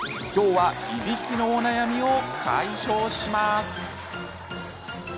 きょうはいびきのお悩みを解消します。